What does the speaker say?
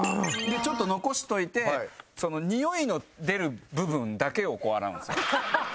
ちょっと残しておいてにおいの出る部分だけを洗うんです。